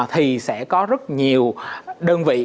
thì sẽ có rất nhiều đơn vị